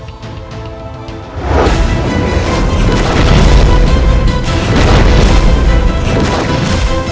ternyata ilmumu cukup lumayan cakraningra